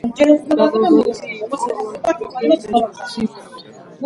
მამამისი იყო ადგილობრივი მეჩეთის იმამი.